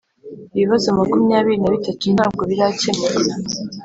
ibibazo makumyabiri na bitatu ntabwo biracyemuka .